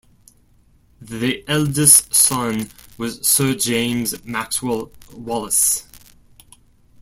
The eldest son was Sir James Maxwell Wallace.